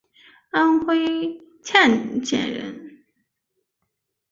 安徽歙县人。